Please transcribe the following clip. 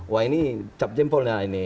wah ini cap jempolnya ini